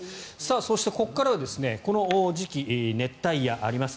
そして、ここからはこの時期熱帯夜があります。